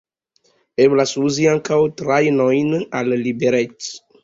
Eblas uzi ankaŭ trajnojn al Liberec.